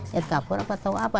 jat kapuran apa tau apa